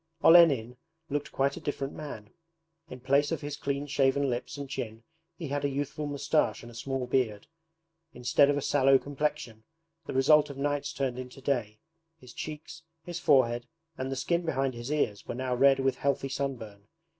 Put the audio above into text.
Olenin looked quite a different man. In place of his clean shaven lips and chin he had a youthful moustache and a small beard. Instead of a sallow complexion, the result of nights turned into day, his cheeks, his forehead, and the skin behind his ears were now red with healthy sunburn.